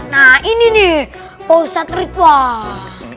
nah ini nih pak ustadz ridwan